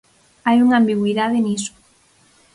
Hai unha ambigüidade niso.